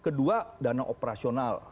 kedua dana operasional